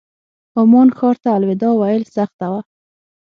عمان ښار ته الوداع ویل سخته وه.